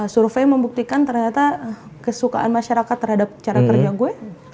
survei membuktikan ternyata kesukaan masyarakat terhadap cara kerja gue